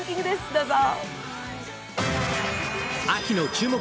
どうぞ！